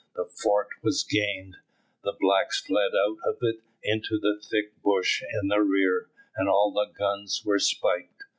The fort was gained, the blacks fled out of it into the thick bush in the rear, and all the guns were spiked.